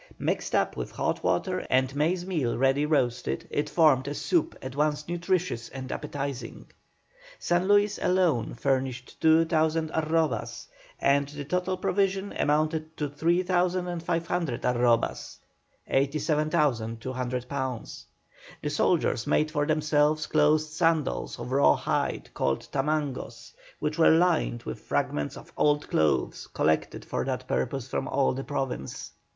Mixed up with hot water and maize meal ready roasted, it formed a soup at once nutritious and appetising. San Luis alone furnished 2,000 arrobas, and the total provision amounted to 3,500 arrobas (87,200 lbs.). The soldiers made for themselves closed sandals of raw hide called tamangos, which were lined with fragments of old clothes collected for that purpose from all the province.